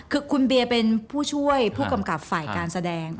คือคุณเบียร์เป็นผู้ช่วยผู้กำกับฝ่ายการแสดง